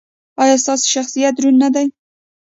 ایا ستاسو شخصیت دروند نه دی؟